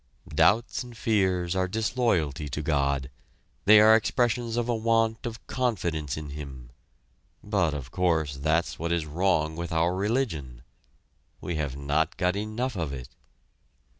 Doubts and fears are disloyalty to God they are expressions of a want of confidence in Him, but, of course, that's what is wrong with our religion. We have not got enough of it.